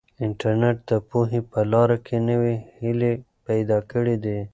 انټرنیټ د پوهې په لاره کې نوې هیلې پیدا کړي دي.